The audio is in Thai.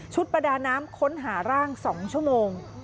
ประดาน้ำค้นหาร่าง๒ชั่วโมง